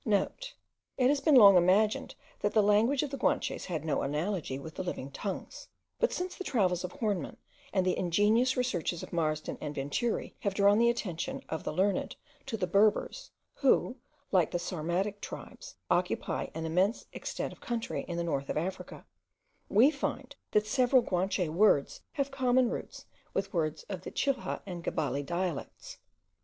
*(* It has been long imagined, that the language of the Guanches had no analogy with the living tongues; but since the travels of Hornemann, and the ingenious researches of Marsden and Venturi, have drawn the attention of the learned to the Berbers, who, like the Sarmatic tribes, occupy an immense extent of country in the north of Africa, we find that several Guanche words have common roots with words of the Chilha and Gebali dialects.